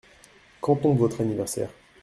Quand tombe votre anniversaire ?